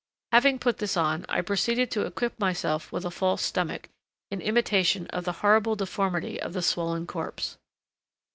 Having put this on, I proceeded to equip myself with a false stomach, in imitation of the horrible deformity of the swollen corpse.